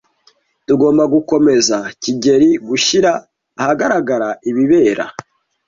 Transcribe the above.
Tugomba gukomeza kigeli gushyira ahagaragara ibibera.